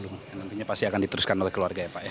nantinya pasti akan diteruskan oleh keluarga ya pak ya